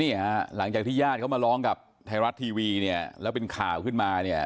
หลังจากที่ญาติเขามาร้องกับไทยรัฐทีวีเนี่ยแล้วเป็นข่าวขึ้นมาเนี่ย